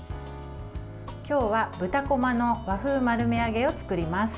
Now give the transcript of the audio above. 今日は豚こまの和風丸め揚げを作ります。